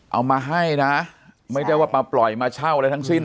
เอามาให้นะไม่ได้ว่ามาปล่อยมาเช่าอะไรทั้งสิ้น